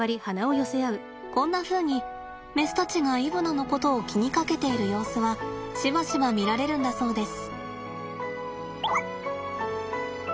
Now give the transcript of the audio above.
こんなふうにメスたちがイブナのことを気にかけている様子はしばしば見られるんだそうです。